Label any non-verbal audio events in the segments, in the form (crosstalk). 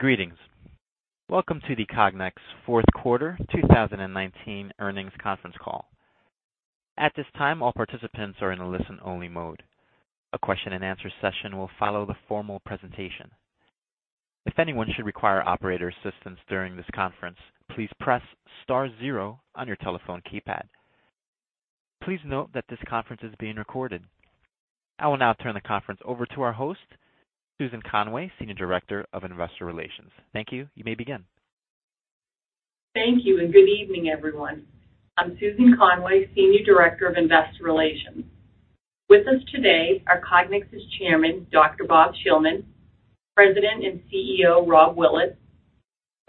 Greetings. Welcome to the Cognex fourth quarter 2019 earnings conference call. At this time, all participants are in a listen-only mode. A question and answer session will follow the formal presentation. If anyone should require operator assistance during this conference, please press star zero on your telephone keypad. Please note that this conference is being recorded. I will now turn the conference over to our host, Susan Conway, Senior Director of Investor Relations. Thank you. You may begin. Thank you, good evening, everyone. I'm Susan Conway, Senior Director of Investor Relations. With us today are Cognex's Chairman, Dr. Bob Shillman, President and CEO, Rob Willett,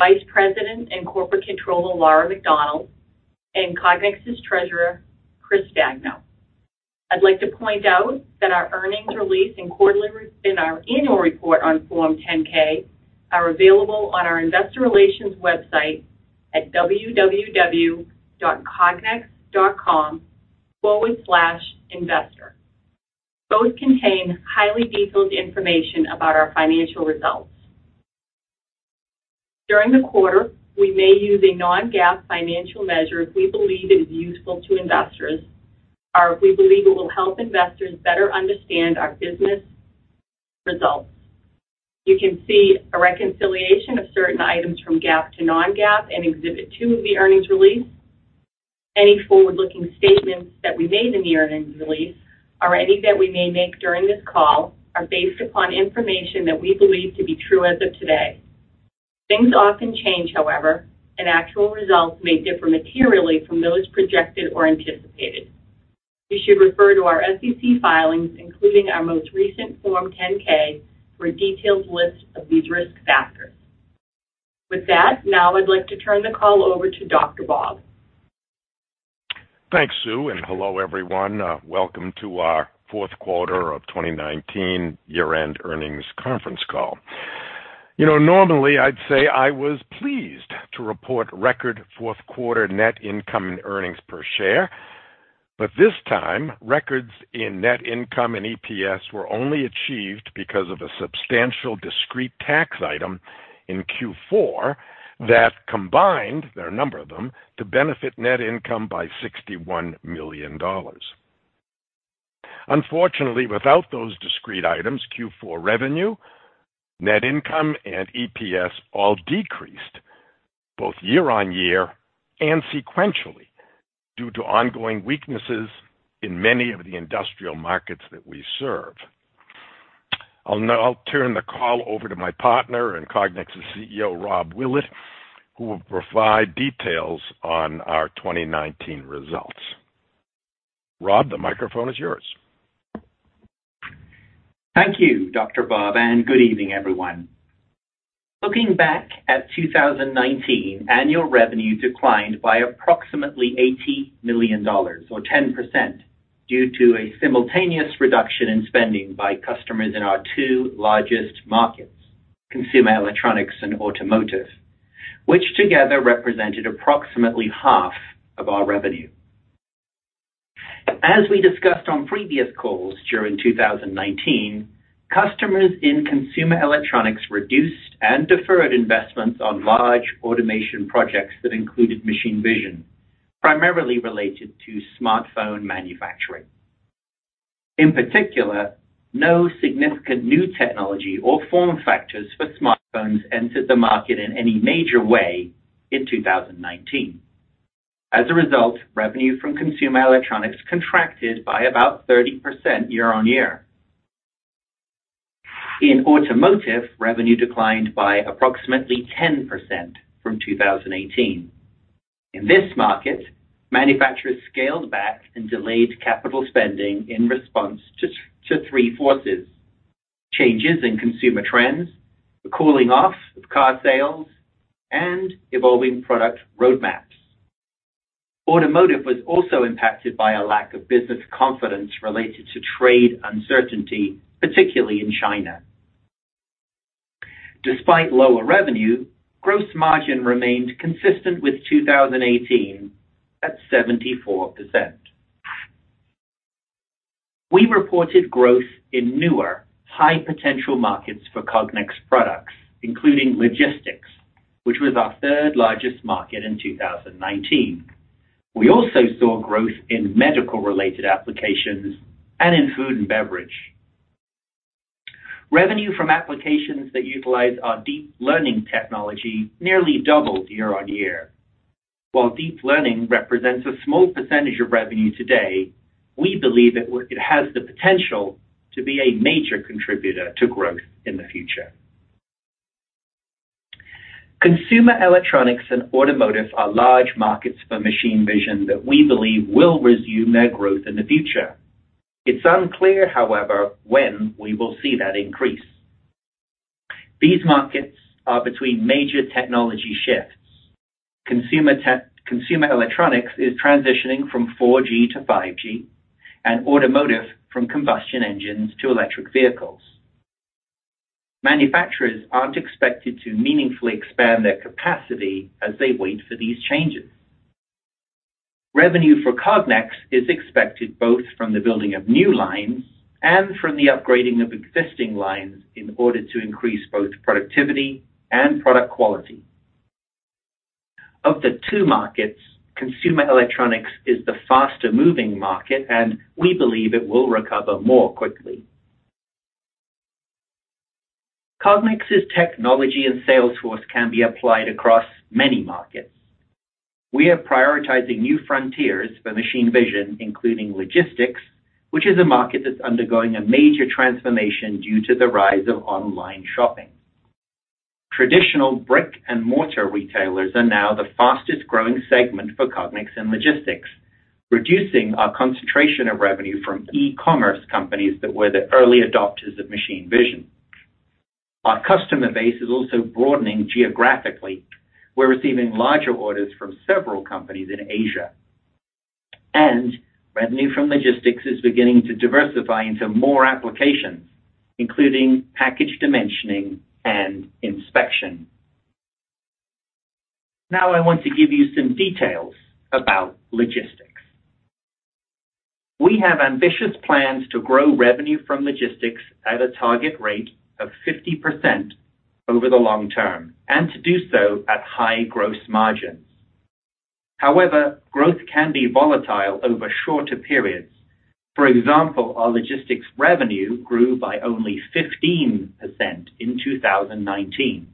Vice President and Corporate Controller, Laura MacDonald, and Cognex's Treasurer, Chris Stagno. I'd like to point out that our earnings release and our annual report on Form 10-K are available on our investor relations website at www.cognex.com/investor. Both contain highly detailed information about our financial results. During the quarter, we may use a non-GAAP financial measure if we believe it is useful to investors, or if we believe it will help investors better understand our business results. You can see a reconciliation of certain items from GAAP to non-GAAP in Exhibit 2 of the earnings release. Any forward-looking statements that we made in the earnings release or any that we may make during this call are based upon information that we believe to be true as of today. Things often change, however, and actual results may differ materially from those projected or anticipated. You should refer to our SEC filings, including our most recent Form 10-K, for a detailed list of these risk factors. With that, now I'd like to turn the call over to Dr. Bob. Thanks, Sue, and hello, everyone. Welcome to our fourth quarter of 2019 year-end earnings conference call. Normally, I'd say I was pleased to report record fourth quarter net income and earnings per share, but this time, records in net income and EPS were only achieved because of a substantial discrete tax item in Q4 that combined, there are a number of them, to benefit net income by $61 million. Unfortunately, without those discrete items, Q4 revenue, net income, and EPS all decreased both year-over-year and sequentially due to ongoing weaknesses in many of the industrial markets that we serve. I'll now turn the call over to my partner and Cognex's CEO, Rob Willett, who will provide details on our 2019 results. Rob, the microphone is yours. Thank you, Dr. Bob, and good evening, everyone. Looking back at 2019, annual revenue declined by approximately $80 million, or 10%, due to a simultaneous reduction in spending by customers in our two largest markets, consumer electronics and automotive, which together represented approximately half of our revenue. As we discussed on previous calls during 2019, customers in consumer electronics reduced and deferred investments on large automation projects that included machine vision, primarily related to smartphone manufacturing. In particular, no significant new technology or form factors for smartphones entered the market in any major way in 2019. As a result, revenue from consumer electronics contracted by about 30% year-on-year. In automotive, revenue declined by approximately 10% from 2018. In this market, manufacturers scaled back and delayed capital spending in response to three forces: changes in consumer trends, the cooling off of car sales, and evolving product roadmaps. Automotive was also impacted by a lack of business confidence related to trade uncertainty, particularly in China. Despite lower revenue, gross margin remained consistent with 2018 at 74%. We reported growth in newer high potential markets for Cognex products, including logistics, which was our third largest market in 2019. We also saw growth in medical related applications and in food and beverage. Revenue from applications that utilize our deep learning technology nearly doubled year-on-year. While deep learning represents a small percentage of revenue today, we believe it has the potential to be a major contributor to growth in the future. Consumer electronics and automotive are large markets for machine vision that we believe will resume their growth in the future. It's unclear, however, when we will see that increase. These markets are between major technology shifts. Consumer electronics is transitioning from 4G to 5G, and automotive from combustion engines to electric vehicles. Manufacturers aren't expected to meaningfully expand their capacity as they wait for these changes. Revenue for Cognex is expected both from the building of new lines and from the upgrading of existing lines in order to increase both productivity and product quality. Of the two markets, consumer electronics is the faster-moving market. We believe it will recover more quickly. Cognex's technology and sales force can be applied across many markets. We are prioritizing new frontiers for machine vision, including logistics, which is a market that's undergoing a major transformation due to the rise of online shopping. Traditional brick-and-mortar retailers are now the fastest-growing segment for Cognex in logistics, reducing our concentration of revenue from e-commerce companies that were the early adopters of machine vision. Our customer base is also broadening geographically. We're receiving larger orders from several companies in Asia. Revenue from logistics is beginning to diversify into more applications, including package dimensioning and inspection. Now I want to give you some details about logistics. We have ambitious plans to grow revenue from logistics at a target rate of 50% over the long term, and to do so at high gross margins. However, growth can be volatile over shorter periods. For example, our logistics revenue grew by only 15% in 2019.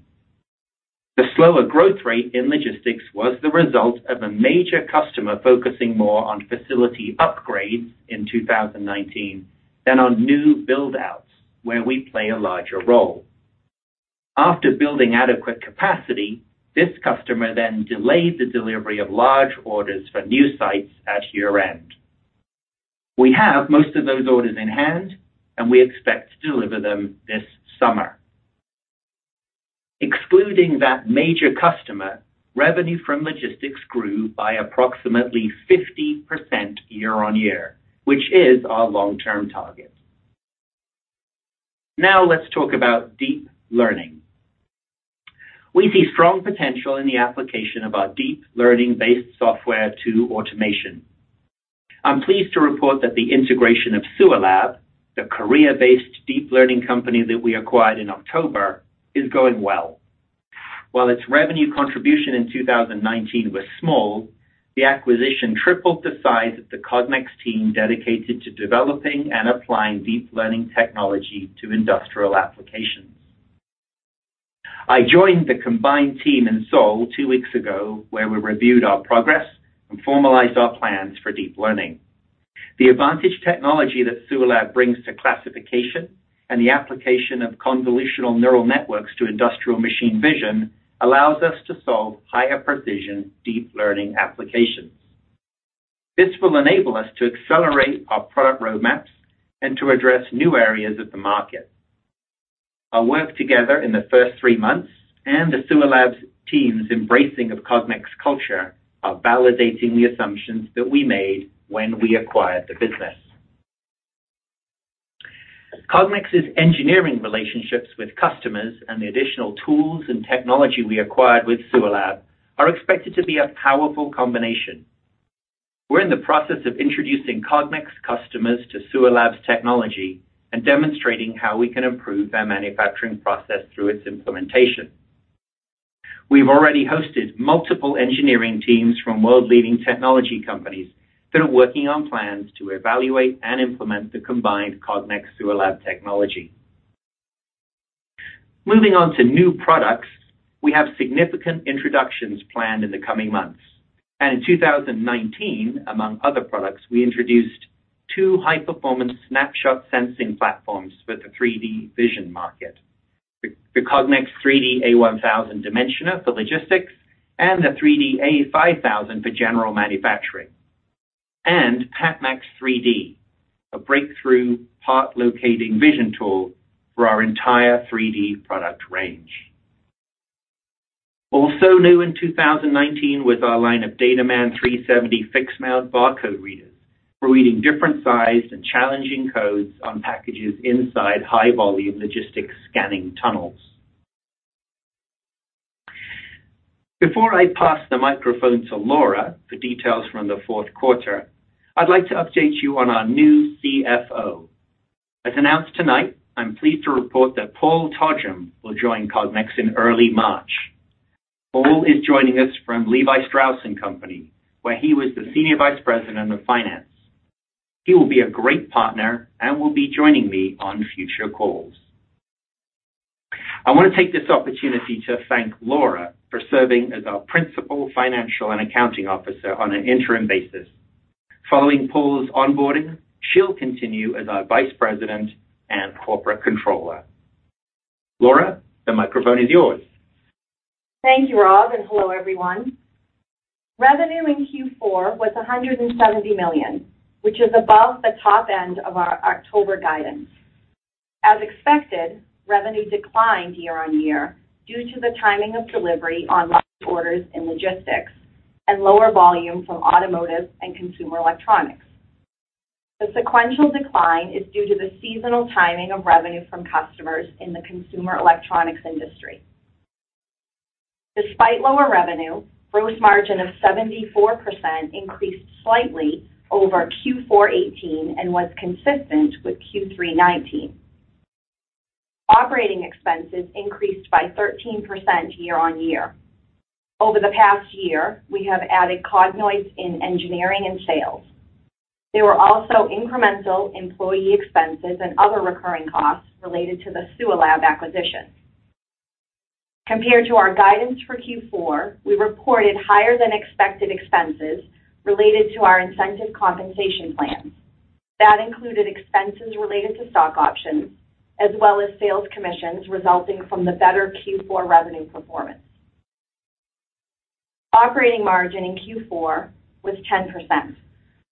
The slower growth rate in logistics was the result of a major customer focusing more on facility upgrades in 2019 than on new build-outs, where we play a larger role. After building adequate capacity, this customer then delayed the delivery of large orders for new sites at year-end. We have most of those orders in hand, and we expect to deliver them this summer. Excluding that major customer, revenue from logistics grew by approximately 50% year-on-year, which is our long-term target. Let's talk about deep learning. We see strong potential in the application of our deep learning-based software to automation. I'm pleased to report that the integration of Sualab, the Korean-based deep learning company that we acquired in October, is going well. While its revenue contribution in 2019 was small, the acquisition tripled the size of the Cognex team dedicated to developing and applying deep learning technology to industrial applications. I joined the combined team in Seoul two weeks ago, where we reviewed our progress and formalized our plans for deep learning. The advantage technology that Sualab brings to classification and the application of convolutional neural networks to industrial machine vision allows us to solve higher precision deep learning applications. This will enable us to accelerate our product roadmaps and to address new areas of the market. Our work together in the first three months and the Sualab team's embracing of Cognex culture are validating the assumptions that we made when we acquired the business. Cognex's engineering relationships with customers and the additional tools and technology we acquired with Sualab are expected to be a powerful combination. We're in the process of introducing Cognex customers to Sualab's technology and demonstrating how we can improve their manufacturing process through its implementation. We've already hosted multiple engineering teams from world-leading technology companies that are working on plans to evaluate and implement the combined Cognex Sualab technology. Moving on to new products, we have significant introductions planned in the coming months. In 2019, among other products, we introduced two high-performance snapshot sensing platforms for the 3D vision market. The Cognex 3D-A1000 dimensioner for logistics and the 3D-A5000 for general manufacturing. PatMax 3D, a breakthrough part-locating vision tool for our entire 3D product range. Also new in 2019 was our line of DataMan 370 fixed-mount barcode readers for reading different sized and challenging codes on packages inside high-volume logistics scanning tunnels. Before I pass the microphone to Laura for details from the fourth quarter, I'd like to update you on our new CFO. As announced tonight, I'm pleased to report that Paul Todgham will join Cognex in early March. Paul is joining us from Levi Strauss & Company, where he was the Senior Vice President of Finance. He will be a great partner and will be joining me on future calls. I want to take this opportunity to thank Laura for serving as our Principal Financial and Accounting Officer on an interim basis. Following Paul's onboarding, she'll continue as our Vice President and Corporate Controller. Laura, the microphone is yours. Thank you, Rob, and hello, everyone. Revenue in Q4 was $170 million, which is above the top end of our October guidance. As expected, revenue declined year-on-year due to the timing of delivery on large orders in logistics and lower volume from automotive and consumer electronics. The sequential decline is due to the seasonal timing of revenue from customers in the consumer electronics industry. Despite lower revenue, gross margin of 74% increased slightly over Q4 2018 and was consistent with Q3 2019. Operating expenses increased by 13% year-on-year. Over the past year, we have added Cognoids in engineering and sales. There were also incremental employee expenses and other recurring costs related to the Sualab acquisition. Compared to our guidance for Q4, we reported higher than expected expenses related to our incentive compensation plans. That included expenses related to stock options, as well as sales commissions resulting from the better Q4 revenue performance. Operating margin in Q4 was 10%,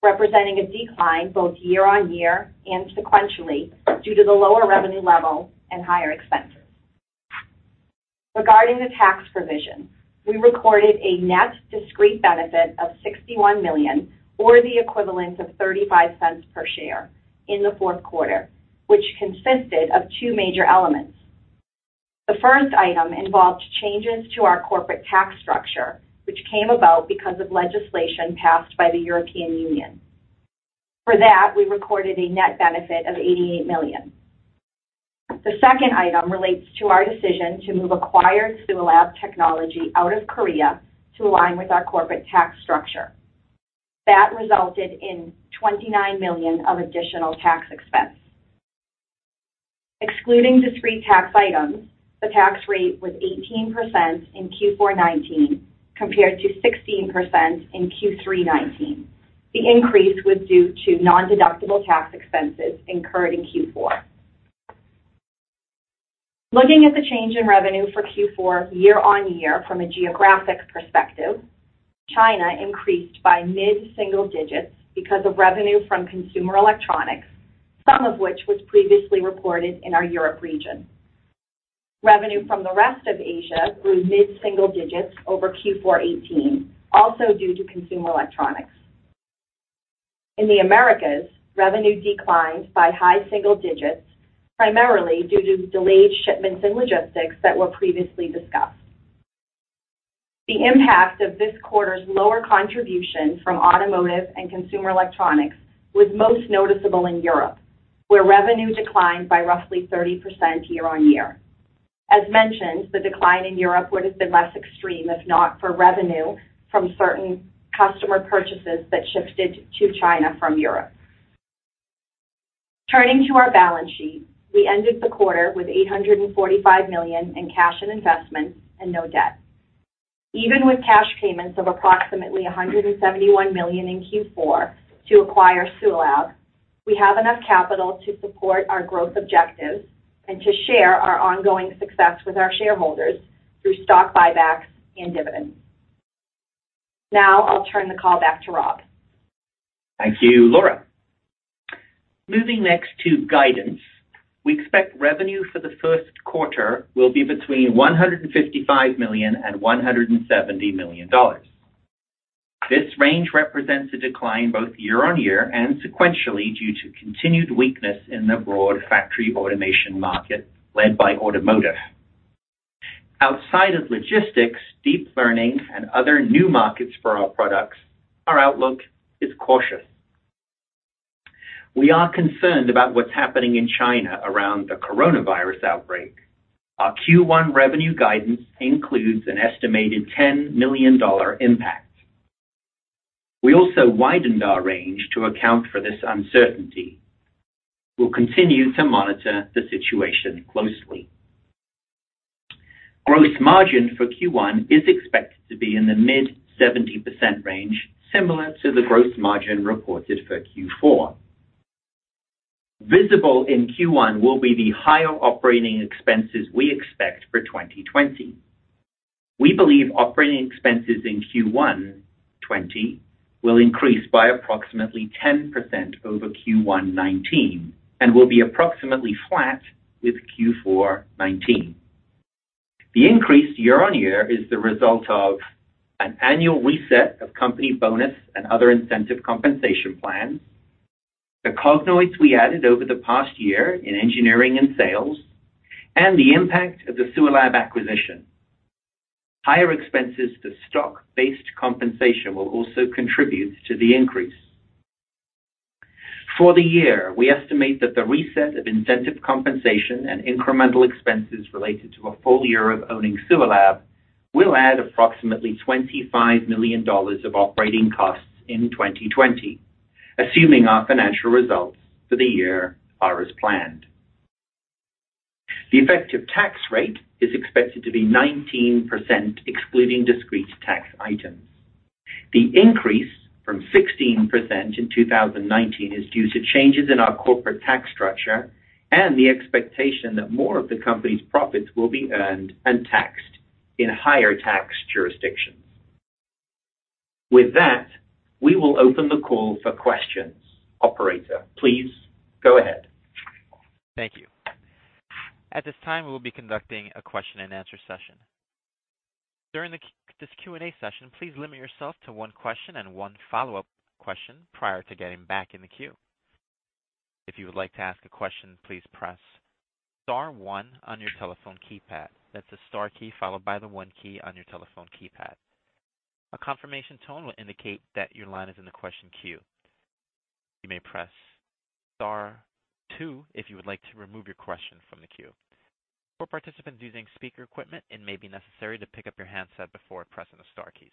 representing a decline both year-over-year and sequentially due to the lower revenue level and higher expenses. Regarding the tax provision, we recorded a net discrete benefit of $61 million, or the equivalent of $0.35 per share in the fourth quarter, which consisted of two major elements. The first item involved changes to our corporate tax structure, which came about because of legislation passed by the European Union. For that, we recorded a net benefit of $88 million. The second item relates to our decision to move acquired Sualab technology out of Korea to align with our corporate tax structure. That resulted in $29 million of additional tax expense. Excluding discrete tax items, the tax rate was 18% in Q4 2019, compared to 16% in Q3 2019. The increase was due to non-deductible tax expenses incurred in Q4. Looking at the change in revenue for Q4 year-on-year from a geographic perspective, China increased by mid-single digits because of revenue from consumer electronics, some of which was previously reported in our Europe region. Revenue from the rest of Asia grew mid-single digits over Q4 2018, also due to consumer electronics. In the Americas, revenue declined by high single digits, primarily due to delayed shipments and logistics that were previously discussed. The impact of this quarter's lower contribution from automotive and consumer electronics was most noticeable in Europe, where revenue declined by roughly 30% year-on-year. As mentioned, the decline in Europe would have been less extreme if not for revenue from certain customer purchases that shifted to China from Europe. Turning to our balance sheet, we ended the quarter with $845 million in cash and investments and no debt. Even with cash payments of approximately $171 million in Q4 to acquire Sualab, we have enough capital to support our growth objectives and to share our ongoing success with our shareholders through stock buybacks and dividends. I'll turn the call back to Rob Thank you, Laura. Moving next to guidance. We expect revenue for the first quarter will be between $155 million and $170 million. This range represents a decline both year-on-year and sequentially due to continued weakness in the broad factory automation market led by automotive. Outside of logistics, deep learning, and other new markets for our products, our outlook is cautious. We are concerned about what's happening in China around the coronavirus outbreak. Our Q1 revenue guidance includes an estimated $10 million impact. We also widened our range to account for this uncertainty. We'll continue to monitor the situation closely. Gross margin for Q1 is expected to be in the mid 70% range, similar to the gross margin reported for Q4. Visible in Q1 will be the higher operating expenses we expect for 2020. We believe operating expenses in Q1 2020 will increase by approximately 10% over Q1 2019 and will be approximately flat with Q4 2019. The increase year-on-year is the result of an annual reset of company bonus and other incentive compensation plans, the Cognoids we added over the past year in engineering and sales, and the impact of the Sualab acquisition. Higher expenses for stock-based compensation will also contribute to the increase. For the year, we estimate that the reset of incentive compensation and incremental expenses related to a full year of owning Sualab will add approximately $25 million of operating costs in 2020, assuming our financial results for the year are as planned. The effective tax rate is expected to be 19%, excluding discrete tax items. The increase from 16% in 2019 is due to changes in our corporate tax structure and the expectation that more of the company's profits will be earned and taxed in higher tax jurisdictions. With that, we will open the call for questions. Operator, please go ahead. Thank you. At this time, we will be conducting a question and answer session. During this Q&A session, please limit yourself to one question and one follow-up question prior to getting back in the queue. If you would like to ask a question, please press star one on your telephone keypad. That's the star key, followed by the 1 key on your telephone keypad. A confirmation tone will indicate that your line is in the question queue. You may press star two if you would like to remove your question from the queue. For participants using speaker equipment, it may be necessary to pick up your handset before pressing the star keys.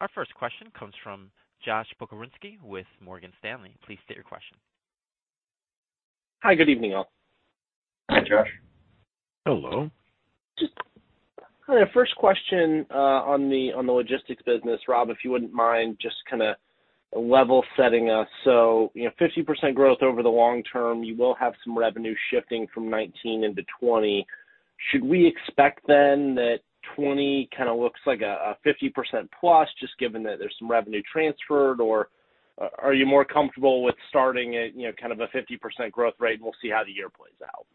Our first question comes from Josh Pokrzywinski with Morgan Stanley. Please state your question. Hi, good evening, all. Hi, Josh. Hello. Just first question on the logistics business, Rob, if you wouldn't mind just kind of level setting us. 50% growth over the long term, you will have some revenue shifting from 2019 into 2020. Should we expect then that 2020 kind of looks like a +50%, just given that there's some revenue transferred? Are you more comfortable with starting at kind of a 50% growth rate, and we'll see how the year plays out?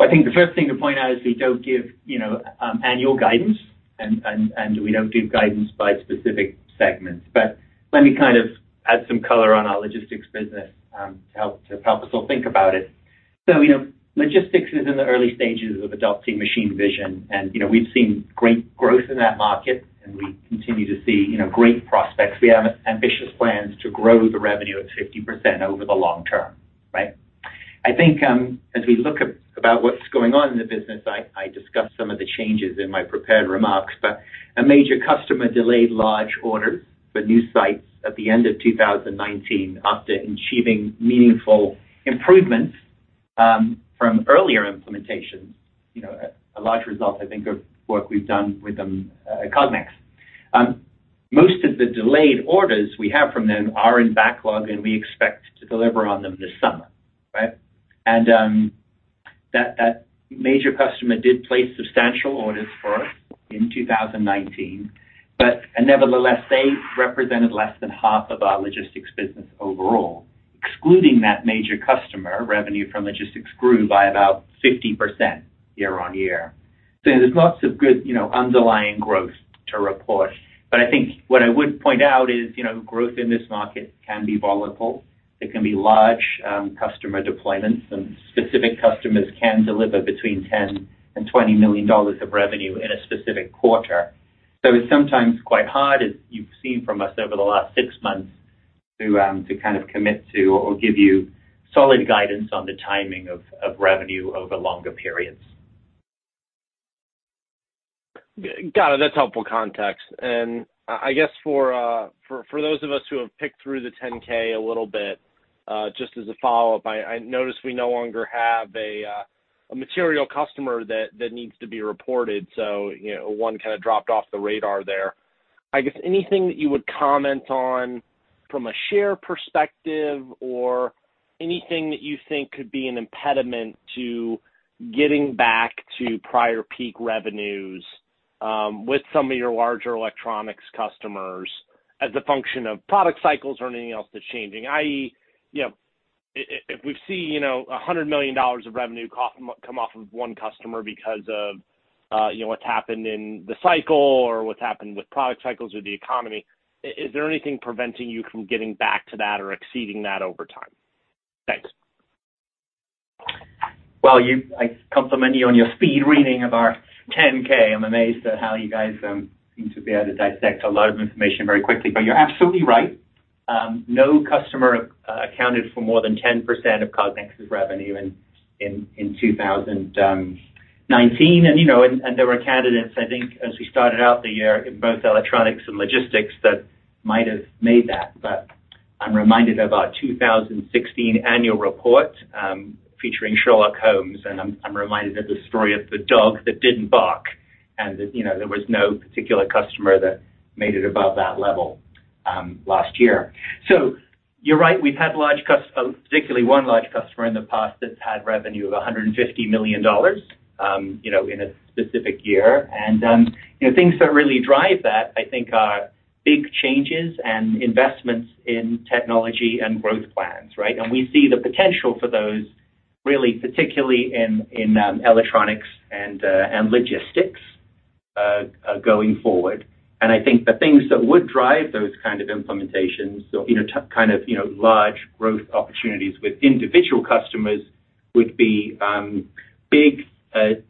I think the first thing to point out is we don't give annual guidance, and we don't give guidance by specific segments. Let me kind of add some color on our logistics business, to help us all think about it. Logistics is in the early stages of adopting machine vision and we've seen great growth in that market and we continue to see great prospects. We have ambitious plans to grow the revenue at 50% over the long term, right? I think, as we look about what's going on in the business, I discussed some of the changes in my prepared remarks, but a major customer delayed large orders for new sites at the end of 2019 after achieving meaningful improvements from earlier implementations. A large result, I think, of work we've done with them at Cognex. Most of the delayed orders we have from them are in backlog, and we expect to deliver on them this summer, right? That major customer did place substantial orders for us in 2019. Nevertheless, they represented less than half of our logistics business overall. Excluding that major customer, revenue from logistics grew by about 50% year-on-year. There's lots of good underlying growth to report. I think what I would point out is growth in this market can be volatile. There can be large customer deployments, and specific customers can deliver between $10 million and $20 million of revenue in a specific quarter. It's sometimes quite hard, as you've seen from us over the last six months, to kind of commit to or give you solid guidance on the timing of revenue over longer periods. Got it. That's helpful context. I guess for those of us who have picked through the 10-K a little bit, just as a follow-up, I noticed we no longer have a material customer that needs to be reported. One kind of dropped off the radar there. I guess anything that you would comment on from a share perspective or anything that you think could be an impediment to getting back to prior peak revenues, with some of your larger electronics customers as a function of product cycles or anything else that's changing, i.e., if we see $100 million of revenue come off of one customer because of what's happened in the cycle or what's happened with product cycles or the economy, is there anything preventing you from getting back to that or exceeding that over time? Thanks. Well, I compliment you on your speed reading of our 10-K. I'm amazed at how you guys seem to be able to dissect a lot of information very quickly. You're absolutely right. No customer accounted for more than 10% of Cognex's revenue in 2019. There were candidates, I think, as we started out the year in both electronics and logistics that might have made that. I'm reminded of our 2016 annual report, featuring Sherlock Holmes, and I'm reminded of the story of the dog that didn't bark. There was no particular customer that made it above that level last year. You're right. We've had particularly one large customer in the past that's had revenue of $150 million in a specific year. Things that really drive that, I think, are big changes and investments in technology and growth plans, right? We see the potential for those really particularly in electronics and logistics, going forward. I think the things that would drive those kind of implementations or kind of large growth opportunities with individual customers would be big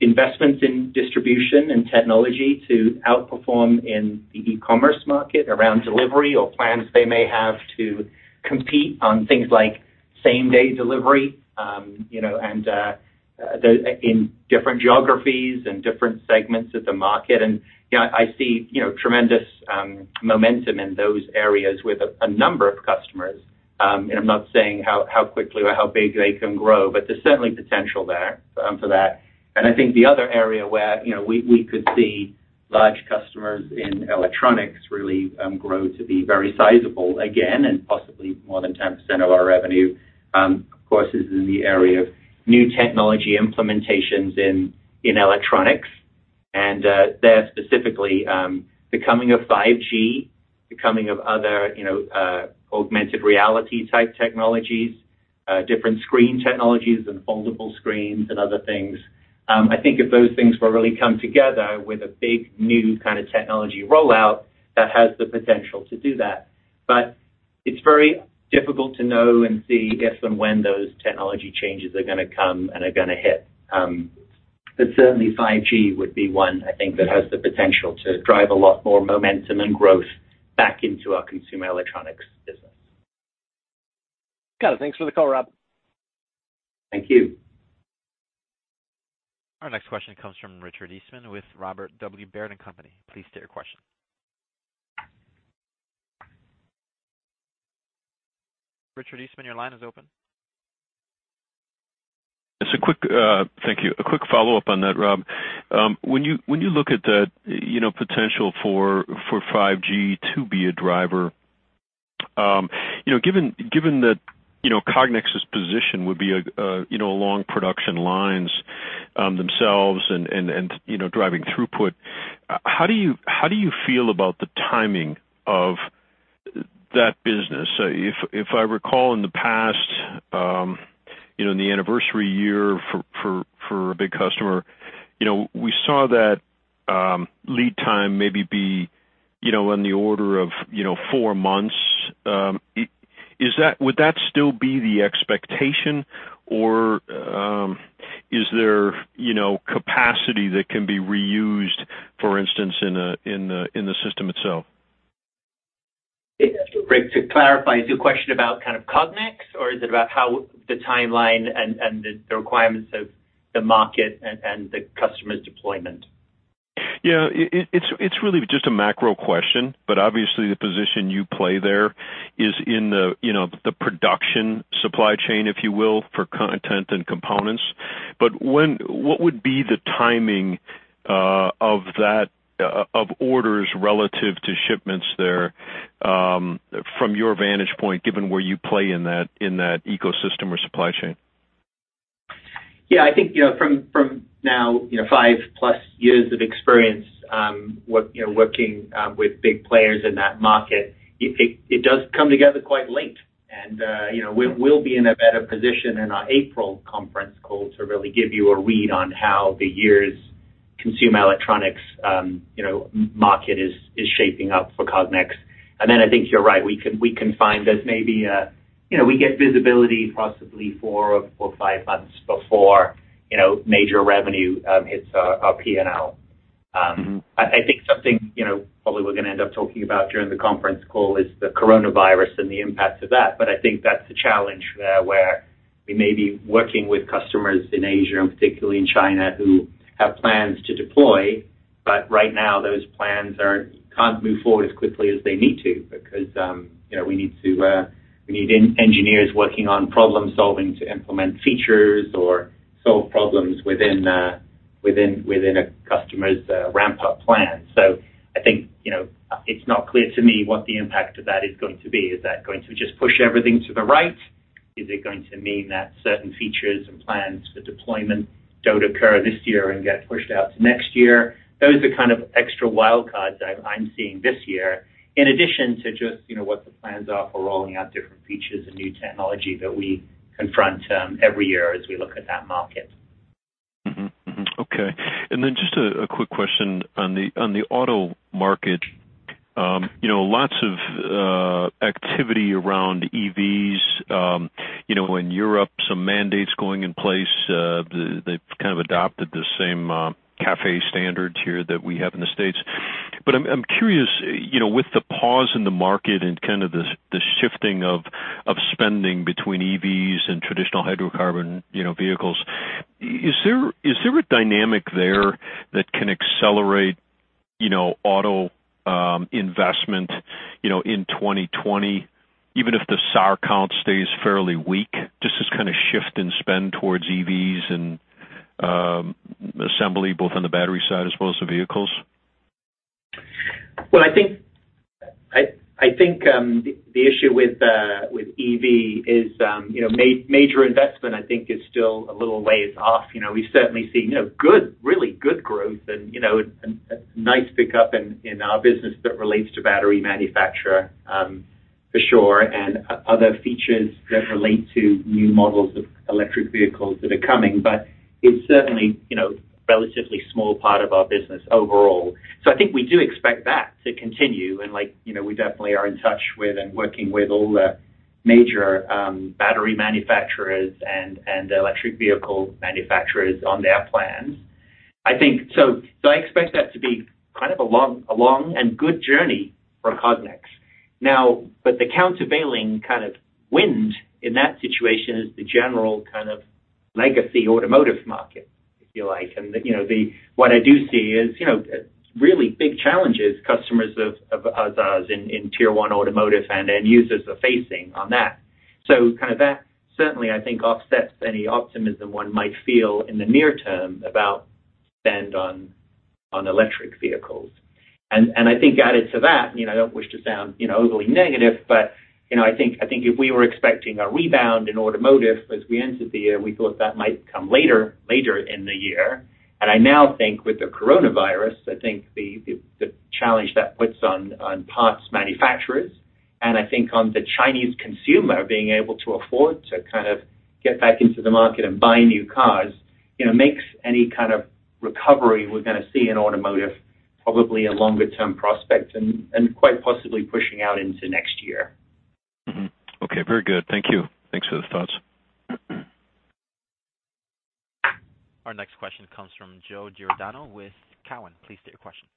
investments in distribution and technology to outperform in the e-commerce market around delivery or plans they may have to compete on things like same-day delivery, and in different geographies and different segments of the market. I see tremendous momentum in those areas with a number of customers. I'm not saying how quickly or how big they can grow, but there's certainly potential for that. I think the other area where we could see large customers in electronics really grow to be very sizable again and possibly more than 10% of our revenue, of course, is in the area of new technology implementations in electronics. There specifically, the coming of 5G. The coming of other augmented reality type technologies, different screen technologies and foldable screens and other things. I think if those things will really come together with a big new kind of technology rollout, that has the potential to do that. It's very difficult to know and see if and when those technology changes are going to come and are going to hit. Certainly 5G would be one, I think, that has the potential to drive a lot more momentum and growth back into our consumer electronics business. Got it. Thanks for the call, Rob. Thank you. Our next question comes from Richard Eastman with Robert W. Baird & Company Please state your question. Richard Eastman, your line is open. Thank you. A quick follow-up on that, Rob. When you look at the potential for 5G to be a driver, given that Cognex's position would be along production lines themselves and driving throughput, how do you feel about the timing of that business? If I recall in the past, in the anniversary year for a big customer, we saw that lead time maybe be in the order of four months. Would that still be the expectation or is there capacity that can be reused, for instance, in the system itself? Rick, to clarify, is your question about kind of Cognex or is it about how the timeline and the requirements of the market and the customer's deployment? Yeah. It's really just a macro question, but obviously the position you play there is in the production supply chain, if you will, for content and components. What would be the timing of orders relative to shipments there from your vantage point, given where you play in that ecosystem or supply chain? Yeah, I think from now, 5+ years of experience working with big players in that market, it does come together quite late. We'll be in a better position in our April conference call to really give you a read on how the year's consumer electronics market is shaping up for Cognex. Then I think you're right, we can find as maybe we get visibility possibly four or five months before major revenue hits our P&L. I think something probably we're going to end up talking about during the conference call is the coronavirus and the impact of that. I think that's the challenge there, where we may be working with customers in Asia and particularly in China, who have plans to deploy, but right now those plans can't move forward as quickly as they need to because we need engineers working on problem-solving to implement features or solve problems within a customer's ramp-up plan. I think it's not clear to me what the impact of that is going to be. Is that going to just push everything to the right? Is it going to mean that certain features and plans for deployment don't occur this year and get pushed out to next year? Those are kind of extra wild cards that I'm seeing this year, in addition to just what the plans are for rolling out different features and new technology that we confront every year as we look at that market. Okay. Then just a quick question on the auto market. Lots of activity around EVs. In Europe, some mandates going in place. They've kind of adopted the same CAFE standards here that we have in the U.S. I'm curious, with the pause in the market and kind of the shifting of spending between EVs and traditional hydrocarbon vehicles, is there a dynamic there that can accelerate auto investment in 2020, even if the SAR count stays fairly weak? Just this kind of shift in spend towards EVs and assembly, both on the battery side as well as the vehicles. Well, I think the issue with EV is major investment, I think, is still a little ways off. We certainly see really good growth and a nice pickup in our business that relates to battery manufacturer for sure, and other features that relate to new models of electric vehicles that are coming, but it's certainly a relatively small part of our business overall. I think we do expect that to continue, and we definitely are in touch with and working with all the major battery manufacturers and electric vehicle manufacturers on their plans. I expect that to be kind of a long and good journey for Cognex. The countervailing kind of wind in that situation is the general kind of legacy automotive market, if you like. What I do see is really big challenges customers of ours in Tier 1 automotive and end users are facing on that. Kind of that certainly I think offsets any optimism one might feel in the near term about spend on electric vehicles. I think added to that, I don't wish to sound overly negative, but I think if we were expecting a rebound in automotive as we entered the year, we thought that might come later in the year. I now think with the coronavirus, I think the challenge that puts on parts manufacturers, and I think on the Chinese consumer being able to afford to kind of get back into the market and buy new cars, makes any kind of recovery we're going to see in automotive probably a longer-term prospect, and quite possibly pushing out into next year. Okay. Very good. Thank you. Thanks for the thoughts. Our next question comes from Joe Giordano with Cowen and Company. Please state your question.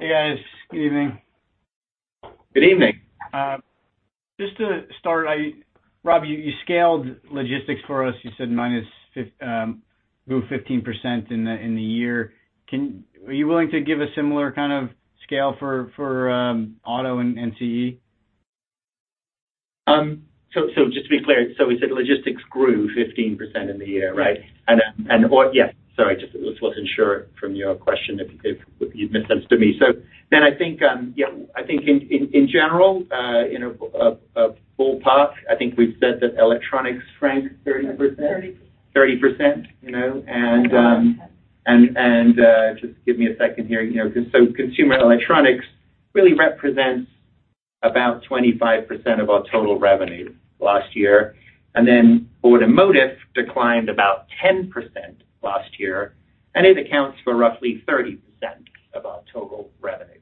Hey, guys. Good evening. Good evening. Just to start, Rob, you scaled logistics for us. You said minus grew 15% in the year. Are you willing to give a similar kind of scale for auto and CE? Just to be clear, so we said logistics grew 15% in the year, right? Right. Yeah, sorry, just wasn't sure from your question if you'd misused them. I think, in general, in a ballpark, I think we've said that electronics shrank 30%. 30% 30%. Just give me a second here. Consumer electronics really represents about 25% of our total revenue last year. Automotive declined about 10% last year, and it accounts for roughly 30% of our total revenue.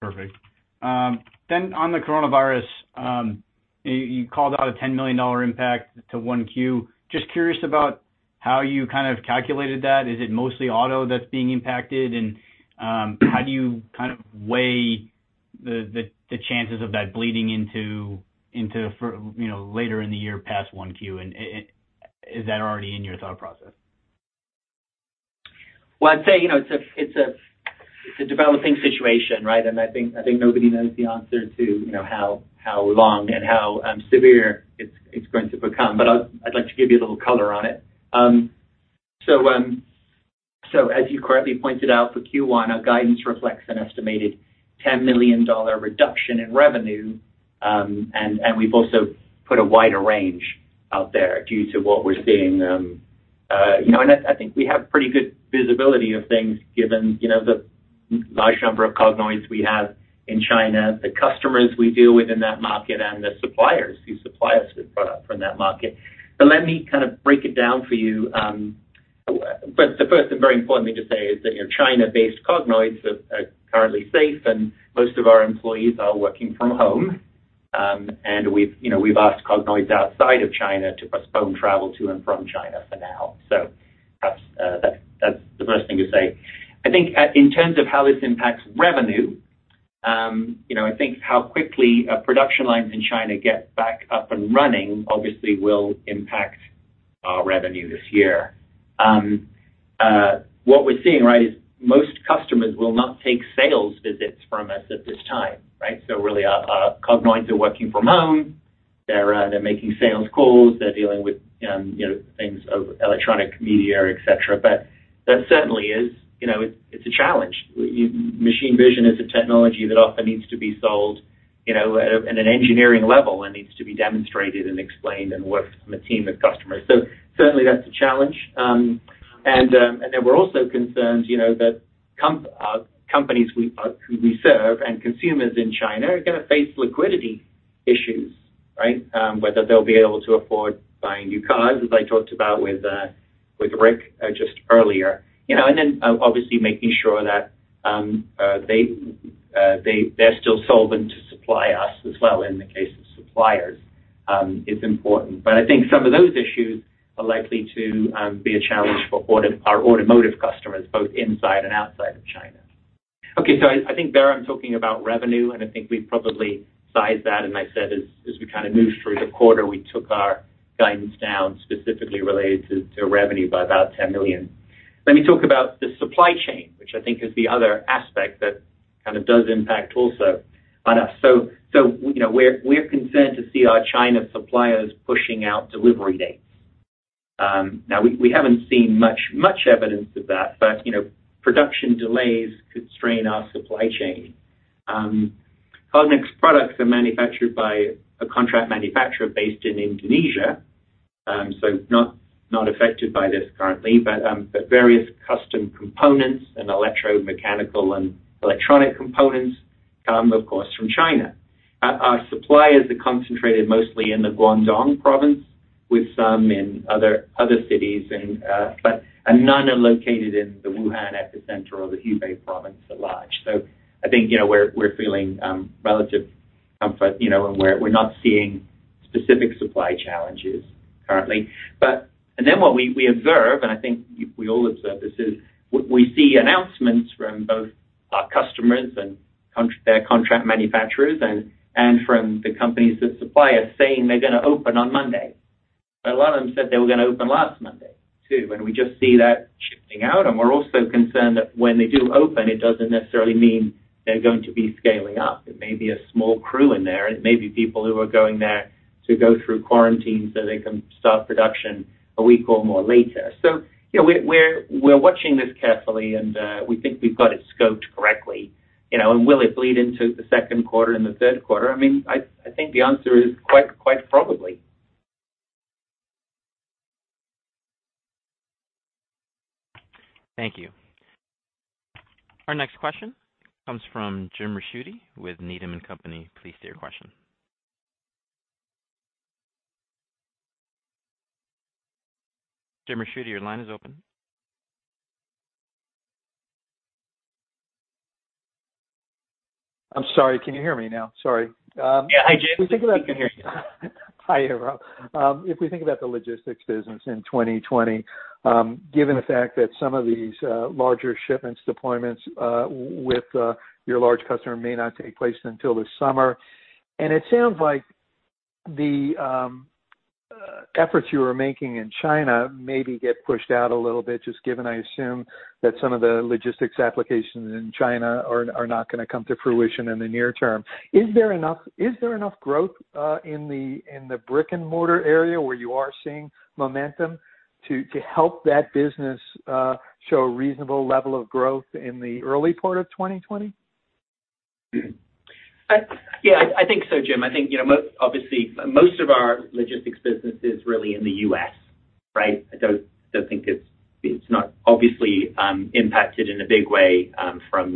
Perfect. On the coronavirus, you called out a $10 million impact to 1Q. Just curious about how you kind of calculated that. Is it mostly auto that's being impacted and how do you kind of weigh the chances of that bleeding into later in the year past 1Q, and is that already in your thought process? Well, I'd say, it's a developing situation, right? I think nobody knows the answer to how long and how severe it's going to become. I'd like to give you a little color on it. As you correctly pointed out, for Q1, our guidance reflects an estimated $10 million reduction in revenue. We've also put a wider range out there due to what we're seeing. I think we have pretty good visibility of things given the large number of Cognoids we have in China, the customers we deal with in that market, and the suppliers who supply us with product from that market. Let me kind of break it down for you. The first and very important thing to say is that China-based Cognoids are currently safe and most of our employees are working from home. We've asked Cognoids outside of China to postpone travel to and from China for now. Perhaps that's the first thing to say. In terms of how this impacts revenue, how quickly production lines in China get back up and running obviously will impact our revenue this year. What we're seeing is most customers will not take sales visits from us at this time, right? Really, our Cognoids are working from home. They're making sales calls. They're dealing with things of electronic media, et cetera. That certainly is a challenge. Machine vision is a technology that often needs to be sold at an engineering level and needs to be demonstrated and explained and worked from a team of customers. Certainly that's a challenge. We're also concerned that companies who we serve and consumers in China are going to face liquidity issues, right? Whether they'll be able to afford buying new cars, as I talked about with Rick just earlier. Obviously making sure that they're still solvent to supply us as well in the case of suppliers is important. I think some of those issues are likely to be a challenge for our automotive customers, both inside and outside of China. Okay. I think there I'm talking about revenue, and I think we've probably sized that, and I said as we kind of moved through the quarter, we took our guidance down specifically related to revenue by about $10 million. Let me talk about the supply chain, which I think is the other aspect that kind of does impact also on us. We're concerned to see our China suppliers pushing out delivery dates. We haven't seen much evidence of that, production delays could strain our supply chain. Cognex products are manufactured by a contract manufacturer based in Indonesia, not affected by this currently, various custom components and electromechanical and electronic components come, of course, from China. Our suppliers are concentrated mostly in the Guangdong province, with some in other cities, none are located in the Wuhan epicenter or the Hubei province at large. I think we're feeling relative comfort, we're not seeing specific supply challenges currently. What we observe, I think we all observe this, is we see announcements from both our customers and their contract manufacturers and from the companies that supply us saying they're going to open on Monday. A lot of them said they were going to open last Monday, too, and we just see that shifting out. We're also concerned that when they do open, it doesn't necessarily mean they're going to be scaling up. It may be a small crew in there. It may be people who are going there to go through quarantine so they can start production a week or more later. We're watching this carefully, and we think we've got it scoped correctly. Will it bleed into the second quarter and the third quarter? I think the answer is quite probably. Thank you. Our next question comes from James Ricchiuti with Needham & Company. Please state your question. James Ricchiuti, your line is open. I'm sorry, can you hear me now? Sorry. Yeah. Hi, Jim. We can hear you. Hi, Rob. If we think about the logistics business in 2020, given the fact that some of these larger shipments deployments with your large customer may not take place until the summer, and it sounds like the efforts you are making in China maybe get pushed out a little bit, just given, I assume, that some of the logistics applications in China are not going to come to fruition in the near term. Is there enough growth in the brick-and-mortar area where you are seeing momentum to help that business show a reasonable level of growth in the early part of 2020? Yeah, I think so, Jim. Obviously, most of our logistics business is really in the U.S. Right? I still think it's not obviously impacted in a big way from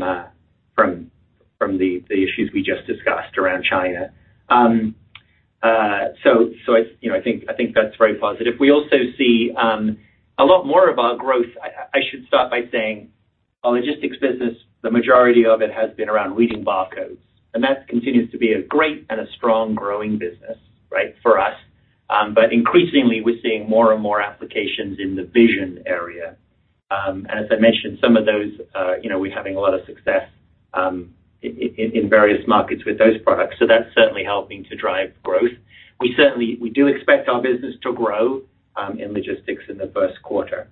the issues we just discussed around China. I think that's very positive. We also see a lot more of our growth. I should start by saying our logistics business, the majority of it has been around reading barcodes, and that continues to be a great and a strong growing business for us. As I mentioned, some of those, we're having a lot of success in various markets with those products. That's certainly helping to drive growth. We do expect our business to grow in logistics in the first quarter.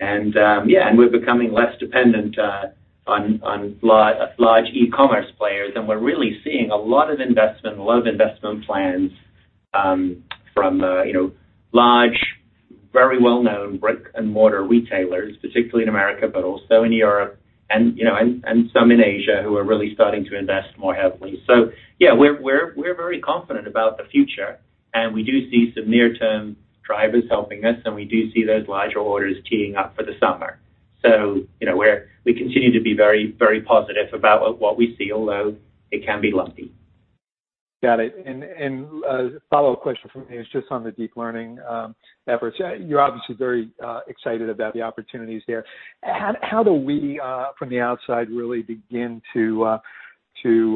We're becoming less dependent on large e-commerce players. We're really seeing a lot of investment plans from large, very well-known brick-and-mortar retailers, particularly in America, but also in Europe and some in Asia, who are really starting to invest more heavily. Yeah, we're very confident about the future, and we do see some near-term drivers helping us, and we do see those larger orders teeing up for the summer. We continue to be very positive about what we see, although it can be lumpy. Got it. A follow-up question from me is just on the deep learning efforts. You're obviously very excited about the opportunities there. How do we, from the outside, really begin to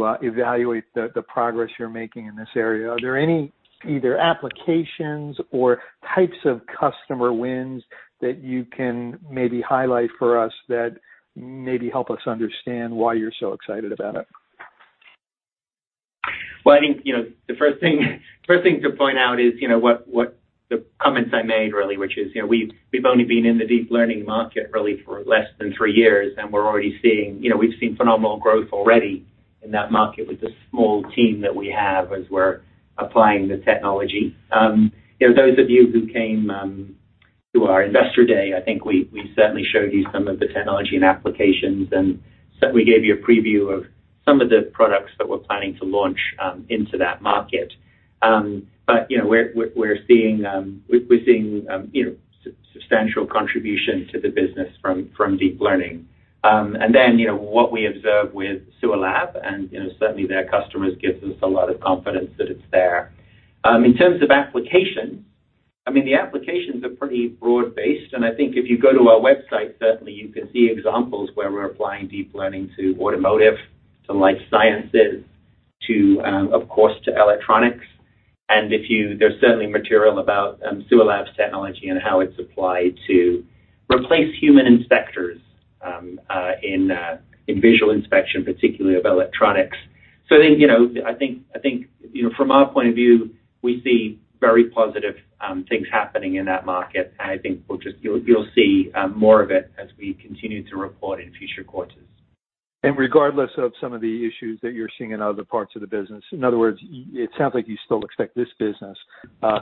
evaluate the progress you're making in this area? Are there any, either applications or types of customer wins that you can maybe highlight for us that maybe help us understand why you're so excited about it? Well, I think, the first thing to point out is the comments I made, really, which is, we've only been in the deep learning market really for less than three years, and we've seen phenomenal growth already in that market with the small team that we have as we're applying the technology. Those of you who came to our investor day, I think we certainly showed you some of the technology and applications, and we gave you a preview of some of the products that we're planning to launch into that market. We're seeing substantial contribution to the business from deep learning. What we observe with Sualab and certainly their customers gives us a lot of confidence that it's there. In terms of applications, the applications are pretty broad-based, and I think if you go to our website, certainly you can see examples where we're applying deep learning to automotive, to life sciences, of course, to electronics. There's certainly material about Sualab's technology and how it's applied to replace human inspectors in visual inspection, particularly of electronics. I think, from our point of view, we see very positive things happening in that market, and I think you'll see more of it as we continue to report in future quarters. Regardless of some of the issues that you're seeing in other parts of the business, in other words, it sounds like you still expect this business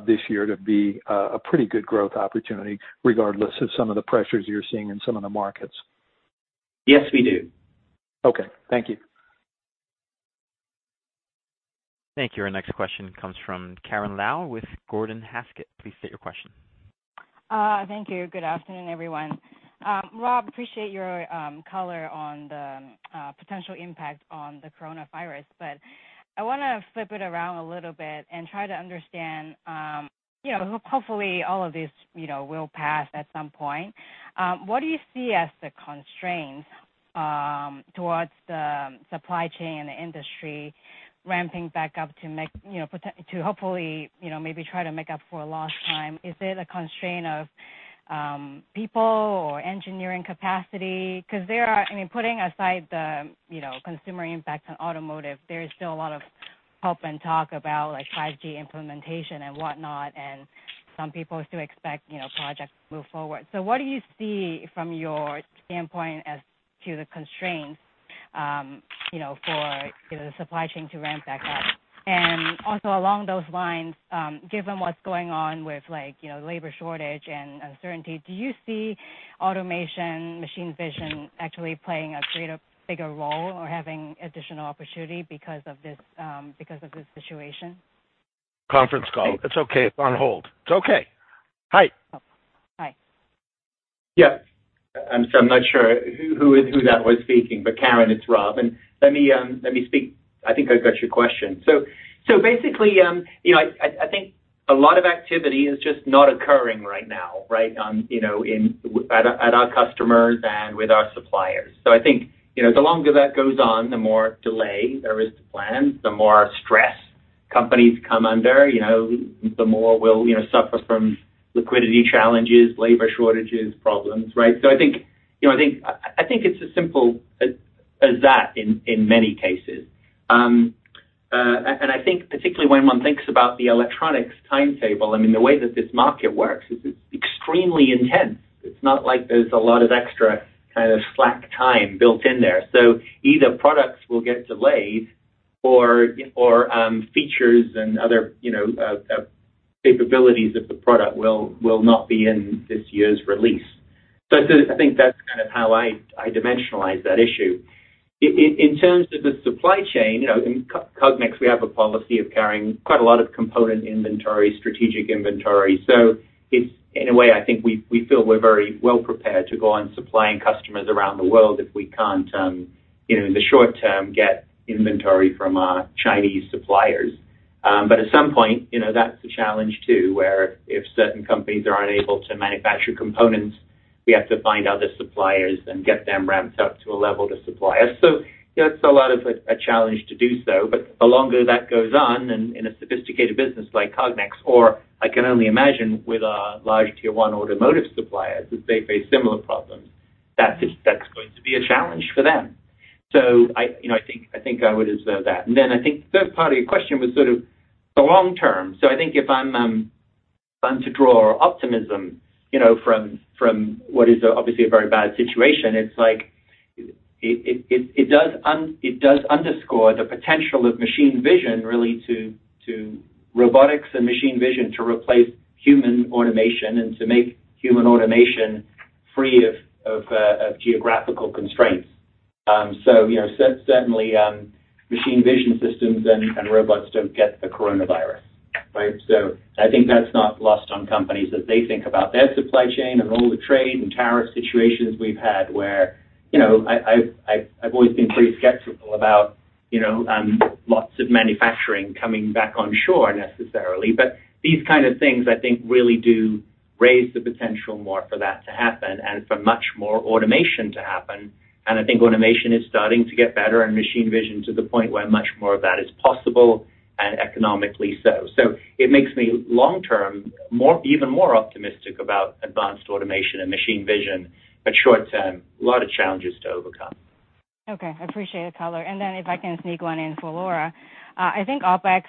this year to be a pretty good growth opportunity, regardless of some of the pressures you're seeing in some of the markets. Yes, we do. Okay. Thank you. Thank you. Our next question comes from Karen Lau with Gordon Haskett. Please state your question. Thank you. Good afternoon, everyone. Rob, appreciate your color on the potential impact on the coronavirus, but I want to flip it around a little bit and try to understand, hopefully all of this will pass at some point. What do you see as the constraints towards the supply chain and the industry ramping back up to hopefully maybe try to make up for lost time? Is it a constraint of people or engineering capacity? Because putting aside the consumer impact on automotive, there is still a lot of hope and talk about 5G implementation and whatnot, and some people still expect projects to move forward. What do you see from your standpoint as to the constraints for the supply chain to ramp back up? Also along those lines, given what's going on with labor shortage and uncertainty, do you see automation, machine vision actually playing a bigger role or having additional opportunity because of this situation? (crosstalk) Hi. Yeah. I'm not sure who that was speaking, but Karen, it's Rob, and let me speak. Basically, I think I've got your question. Basically, I think a lot of activity is just not occurring right now at our customers and with our suppliers. I think, the longer that goes on, the more delay there is to plans, the more stress companies come under, the more we'll suffer from liquidity challenges, labor shortages problems. I think it's as simple as that in many cases. I think particularly when one thinks about the electronics timetable, the way that this market works is it's extremely intense. It's not like there's a lot of extra kind of slack time built in there. Either products will get delayed or features and other capabilities of the product will not be in this year's release. I think that's kind of how I dimensionalize that issue. In terms of the supply chain, in Cognex, we have a policy of carrying quite a lot of component inventory, strategic inventory. In a way, I think we feel we're very well prepared to go on supplying customers around the world if we can't, in the short term, get inventory from our Chinese suppliers. At some point, that's a challenge too, where if certain companies are unable to manufacture components, we have to find other suppliers and get them ramped up to a level to supply us. That's a lot of a challenge to do so. The longer that goes on in a sophisticated business like Cognex, or I can only imagine with our large Tier 1 automotive suppliers, that they face similar problems. That's going to be a challenge for them. I think I would as though that. I think the third part of your question was sort of the long term. I think if I'm going to draw optimism from what is obviously a very bad situation, it does underscore the potential of machine vision, really to robotics and machine vision to replace human automation and to make human automation free of geographical constraints. Certainly, machine vision systems and robots don't get the coronavirus. I think that's not lost on companies as they think about their supply chain and all the trade and tariff situations we've had where I've always been pretty skeptical about lots of manufacturing coming back on shore necessarily. These kind of things I think really do raise the potential more for that to happen and for much more automation to happen. I think automation is starting to get better and machine vision to the point where much more of that is possible and economically so. It makes me long term, even more optimistic about advanced automation and machine vision. Short term, lot of challenges to overcome. Okay. I appreciate the color. If I can sneak one in for Laura, I think OpEx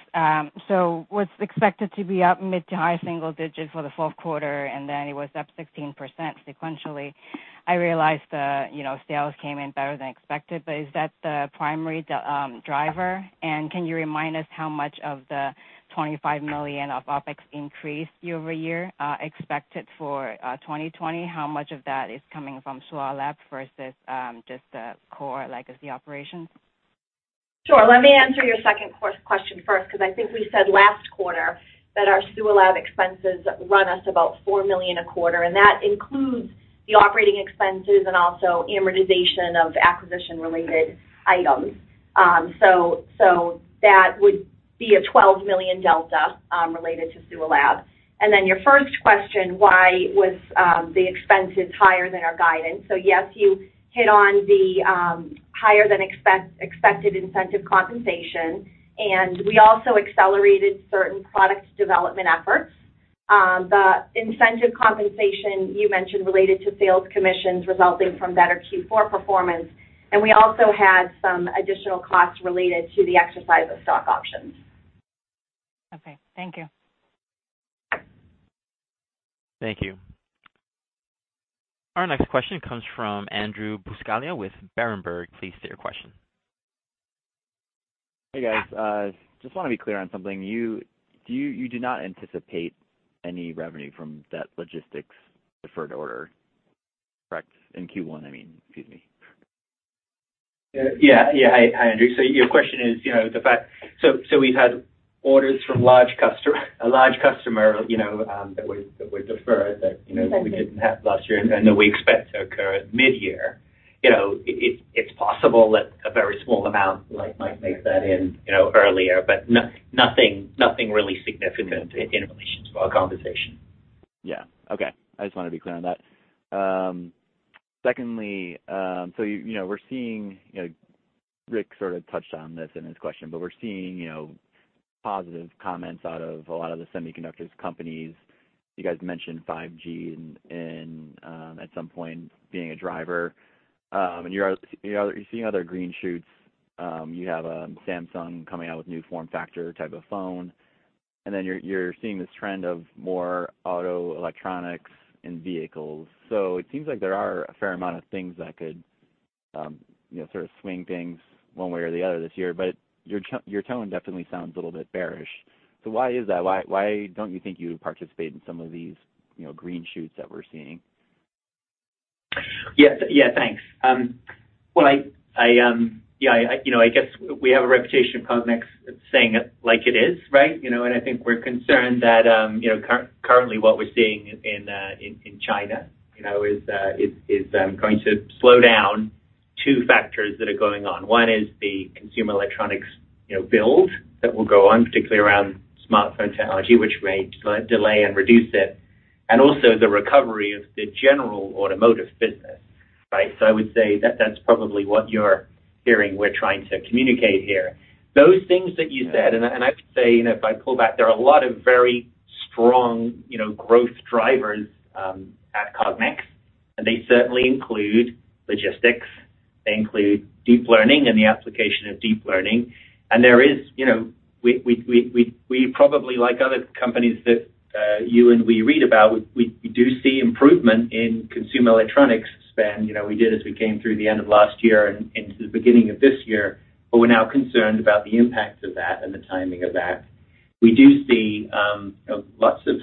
was expected to be up mid to high single digits for the fourth quarter, it was up 16% sequentially. I realize the sales came in better than expected, is that the primary driver? Can you remind us how much of the $25 million of OpEx increase year-over-year expected for 2020, how much of that is coming from Sualab versus just the core legacy operations? Sure. Let me answer your second question first, because I think we said last quarter that our Sualab expenses run us about $4 million a quarter, and that includes the operating expenses and also amortization of acquisition-related items. That would be a $12 million delta, related to Sualab. Your first question, why was the expenses higher than our guidance? Yes, you hit on the higher than expected incentive compensation, we also accelerated certain product development efforts. The incentive compensation you mentioned related to sales commissions resulting from better Q4 performance, we also had some additional costs related to the exercise of stock options. Okay. Thank you. Thank you. Our next question comes from Andrew Buscaglia with Berenberg. Please state your question. Hey, guys. Just want to be clear on something. You do not anticipate any revenue from that logistics deferred order, correct? In Q1, I mean, excuse me. Yeah. Hi, Andrew. We've had orders from a large customer, that we deferred, we didn't have last year and that we expect to occur at mid-year. It's possible that a very small amount might make that in earlier, but nothing really significant in relation to our conversation. Yeah. Okay. I just wanted to be clear on that. Secondly, We're seeing, Rick sort of touched on this in his question, We're seeing positive comments out of a lot of the semiconductors companies. You guys mentioned 5G and at some point being a driver. You're seeing other green shoots. You have Samsung coming out with new form factor type of phone, You're seeing this trend of more auto electronics in vehicles. It seems like there are a fair amount of things that could sort of swing things one way or the other this year, Your tone definitely sounds a little bit bearish. Why is that? Why don't you think you participate in some of these green shoots that we're seeing? Yes. Thanks. I guess we have a reputation at Cognex of saying it like it is, right? I think we're concerned that currently what we're seeing in China is going to slow down two factors that are going on. One is the consumer electronics build that will go on, particularly around smartphone technology, which may delay and reduce it, and also the recovery of the general automotive business. I would say that's probably what you're hearing we're trying to communicate here. Those things that you said, and I would say, if I pull back, there are a lot of very strong growth drivers at Cognex, and they certainly include logistics, they include deep learning and the application of deep learning. We probably, like other companies that you and we read about, we do see improvement in consumer electronics spend. We did as we came through the end of last year and into the beginning of this year, we're now concerned about the impact of that and the timing of that. We do see lots of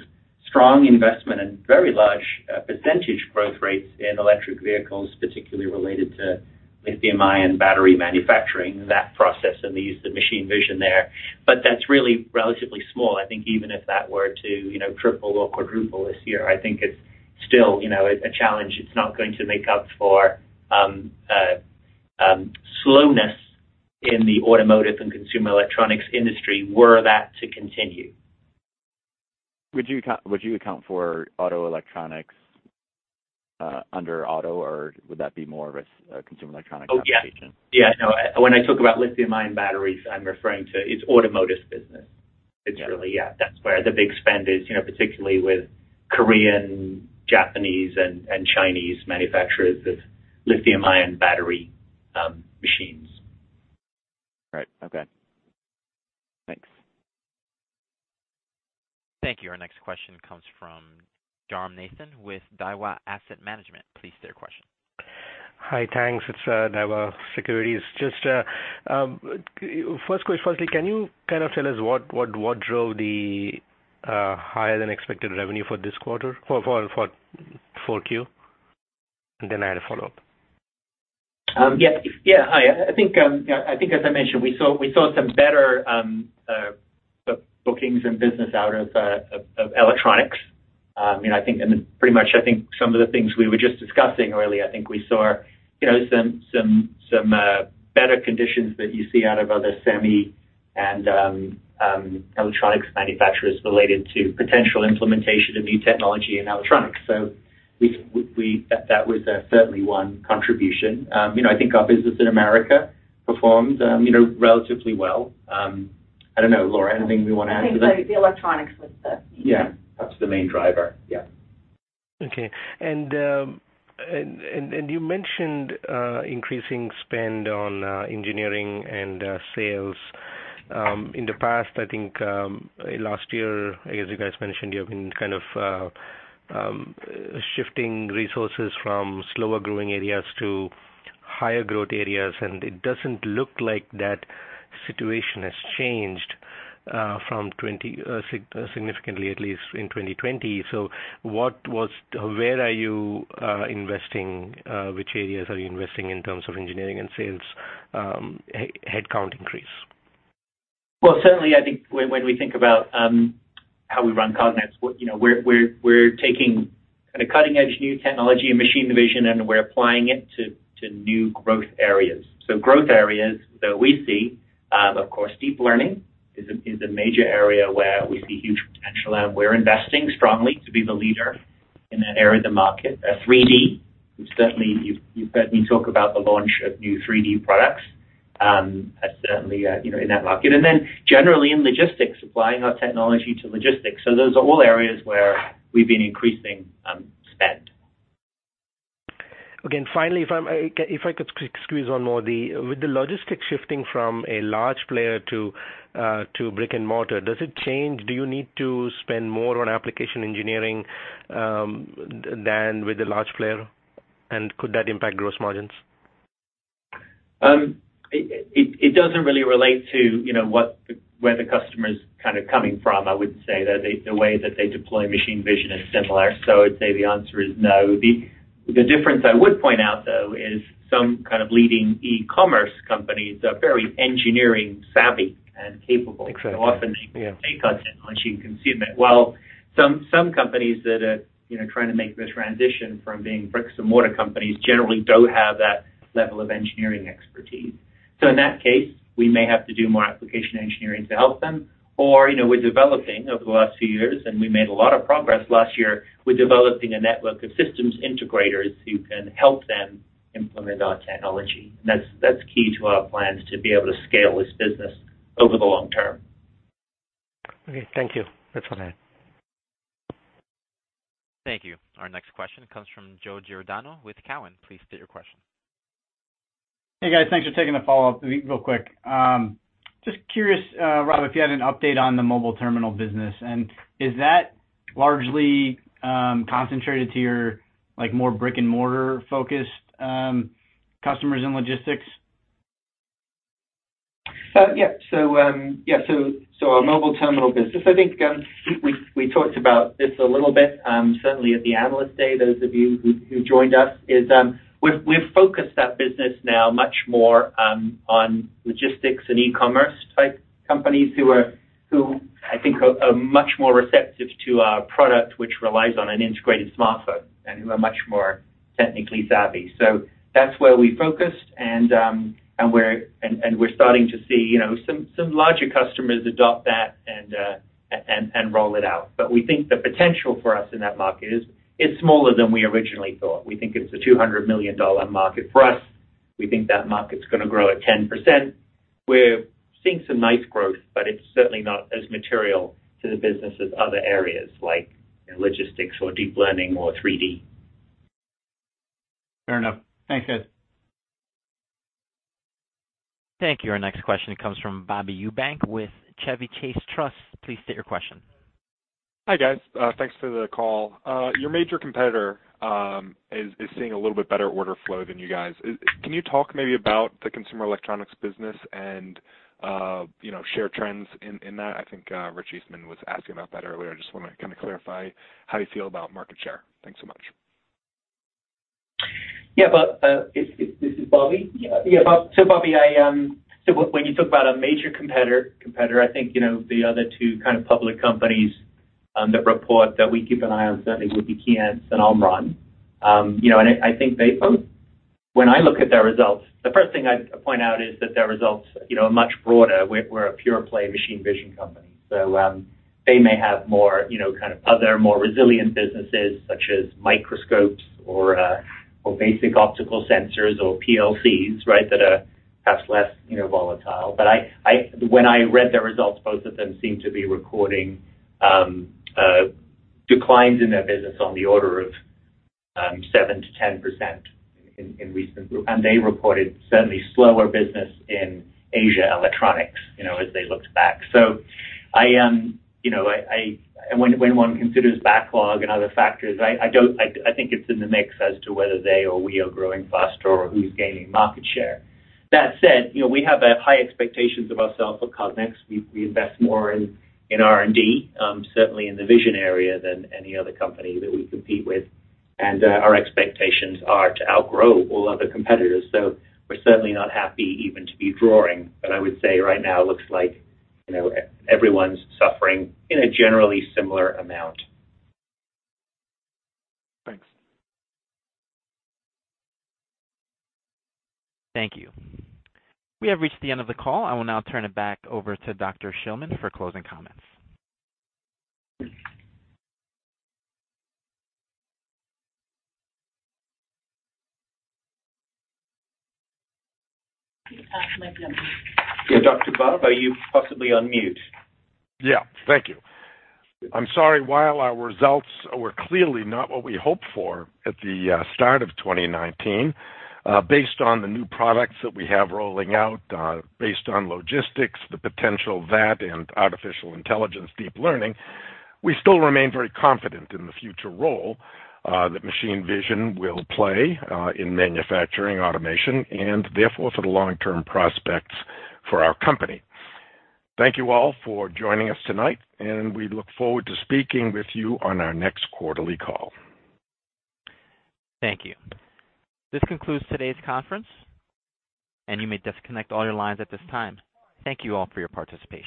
strong investment and very large percentage growth rates in electric vehicles, particularly related to lithium-ion battery manufacturing, that process, and the use of machine vision there. That's really relatively small. I think even if that were to triple or quadruple this year, I think it's still a challenge. It's not going to make up for slowness in the automotive and consumer electronics industry were that to continue. Would you account for auto electronics under auto, or would that be more of a consumer electronic application? Oh, yeah. No, when I talk about lithium-ion batteries, I'm referring to its automotive business. Got it. It's really, yeah, that's where the big spend is, particularly with Korean, Japanese, and Chinese manufacturers of lithium-ion battery machines. Right. Okay, thanks. Thank you. Our next question comes from Jairam Nathan with Daiwa Securities. Please state your question. Hi. Thanks. It's Daiwa Securities. Just first question, firstly, can you kind of tell us what drove the higher than expected revenue for this quarter, for Q4? I had a follow-up. Yeah. I think as I mentioned, we saw some better bookings and business out of electronics. Then pretty much, I think some of the things we were just discussing earlier, I think we saw some better conditions that you see out of other semi and electronics manufacturers related to potential implementation of new technology and electronics. That was certainly one contribution. I think our business in America performed relatively well. I don't know, Laura, anything we want to add to that? I think the electronics was the main. Yeah, that's the main driver. Yeah. Okay. You mentioned increasing spend on engineering and sales. In the past, I think, last year, as you guys mentioned, you have been kind of shifting resources from slower growing areas to higher growth areas, and it doesn't look like that situation has changed significantly, at least in 2020. Where are you investing? Which areas are you investing in terms of engineering and sales headcount increase? Certainly, I think when we think about how we run Cognex, we're taking kind of cutting edge new technology and machine vision, we're applying it to new growth areas. Growth areas that we see, of course, deep learning is a major area where we see huge potential, we're investing strongly to be the leader in that area of the market. 3D, certainly, you've heard me talk about the launch of new 3D products, certainly in that market. Generally in logistics, applying our technology to logistics. Those are all areas where we've been increasing spend. Okay. Finally, if I could squeeze one more. With the logistics shifting from a large player to brick-and-mortar, does it change? Do you need to spend more on application engineering than with the large player, and could that impact gross margins? It doesn't really relate to where the customer's kind of coming from. I would say that the way that they deploy machine vision is similar. I'd say the answer is no. The difference I would point out, though, is some kind of leading e-commerce companies are very engineering savvy and capable. Exactly. Yeah. Often they take our technology and consume it, while some companies that are trying to make the transition from being bricks-and-mortar companies generally don't have that level of engineering expertise. In that case, we may have to do more application engineering to help them, or we're developing over the last few years, and we made a lot of progress last year, we're developing a network of systems integrators who can help them implement our technology. That's key to our plans to be able to scale this business over the long term. Okay. Thank you. That's all I had. Thank you. Our next question comes from Joe Giordano with Cowen and Company. Please state your question. Hey, guys. Thanks for taking the follow-up. Real quick, just curious, Rob, if you had an update on the mobile terminal business, and is that largely concentrated to your more brick-and-mortar focused customers in logistics? Yeah, our mobile terminal business, I think we talked about this a little bit, certainly at the Analyst Day, those of you who joined us, is we've focused that business now much more on logistics and e-commerce type companies who I think are much more receptive to our product, which relies on an integrated smartphone and who are much more technically savvy. That's where we focused, and we're starting to see some larger customers adopt that and roll it out. We think the potential for us in that market is smaller than we originally thought. We think it's a $200 million market for us. We think that market's going to grow at 10%. We're seeing some nice growth, it's certainly not as material to the business as other areas like logistics or deep learning or 3D. Fair enough. Thanks, guys. Thank you. Our next question comes from Bobby Eubank with Chevy Chase Trust. Please state your question. Hi, guys. Thanks for the call. Your major competitor is seeing a little bit better order flow than you guys. Can you talk maybe about the consumer electronics business and share trends in that? I think Rich Eastman was asking about that earlier. I just want to kind of clarify how you feel about market share. Thanks so much. Yeah. This is Bobby. Bobby, when you talk about a major competitor, I think the other two kind of public companies that report that we keep an eye on certainly would be Keyence and Omron. I think when I look at their results, the first thing I'd point out is that their results are much broader. We're a pure play machine vision company, so they may have more kind of other more resilient businesses, such as microscopes or basic optical sensors or PLCs that are perhaps less volatile. When I read their results, both of them seem to be recording declines in their business on the order of 7%-10%. They reported certainly slower business in Asia electronics as they looked back. When one considers backlog and other factors, I think it's in the mix as to whether they or we are growing faster or who's gaining market share. That said, we have high expectations of ourselves for Cognex. We invest more in R&D, certainly in the vision area, than any other company that we compete with, and our expectations are to outgrow all other competitors. We're certainly not happy even to be drawing. I would say right now it looks like everyone's suffering in a generally similar amount. Thanks. Thank you. We have reached the end of the call. I will now turn it back over to Dr. Shillman for closing comments. Dr. Bob, are you possibly on mute? Yeah. Thank you. I'm sorry. While our results were clearly not what we hoped for at the start of 2019, based on the new products that we have rolling out, based on logistics, the potential of that and artificial intelligence, deep learning, we still remain very confident in the future role that machine vision will play in manufacturing automation and therefore for the long-term prospects for our company. Thank you all for joining us tonight, and we look forward to speaking with you on our next quarterly call. Thank you. This concludes today's conference, and you may disconnect all your lines at this time. Thank you all for your participation.